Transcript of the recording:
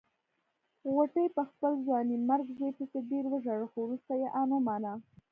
غوټۍ په خپل ځوانيمرګ زوی پسې ډېر وژړل خو روسته يې ان ومانه.